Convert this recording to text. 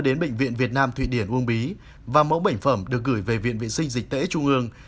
đến bệnh viện việt nam thụy điển uông bí và mẫu bệnh phẩm được gửi về viện vệ sinh dịch tễ trung ương